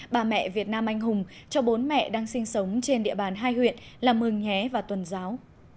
bà mẹ việt nam anh hùng cho bốn mẹ đang sinh sống trên địa bàn hai huyện là mường nhé và tuần giáo